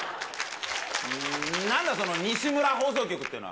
なんだその西村放送局っていうのは。